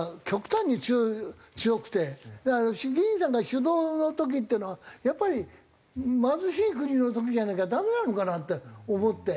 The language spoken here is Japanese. だから議員さんが主導の時っていうのはやっぱり貧しい国の時じゃなきゃダメなのかなって思って。